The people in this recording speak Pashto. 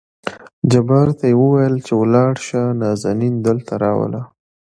جبار ته يې ووېل چې ولاړ شه نازنين دلته راوله.